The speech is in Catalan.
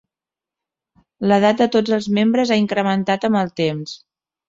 L'edat de tots els membres ha incrementat amb el temps.